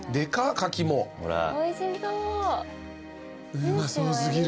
うまそう過ぎる。